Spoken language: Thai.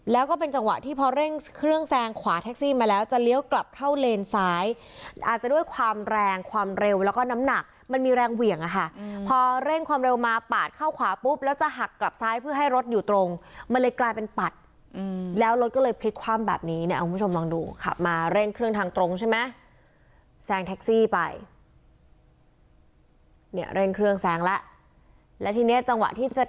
แล้วก็เป็นจังหวะที่พอเร่งเครื่องแซงขวาแท็กซี่มาแล้วจะเลี้ยวกลับเข้าเลนซ้ายอาจจะด้วยความแรงความเร็วแล้วก็น้ำหนักมันมีแรงเหวี่ยงค่ะพอเร่งความเร็วมาปาดเข้าขวาปุ๊บแล้วจะหักกลับซ้ายเพื่อให้รถอยู่ตรงมันเลยกลายเป็นปัดแล้วรถก็เลยพลิกความแบบนี้เนี่ยเอาคุณผู้ชมลองดูขับมาเร่งเครื่องทางตรงใช่ไ